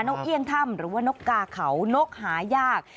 กเอี่ยงถ้ำหรือว่านกกาเขานกหายาก